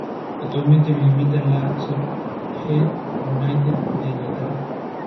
Actualmente milita en el Southend United de Inglaterra.